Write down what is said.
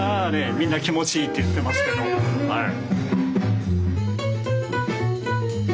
みんな気持ちいいって言ってますけどはい。